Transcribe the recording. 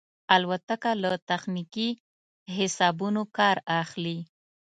الوتکه له تخنیکي حسابونو کار اخلي.